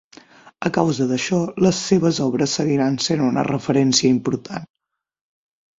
A causa d'això, les seves obres seguiran sent una referència important.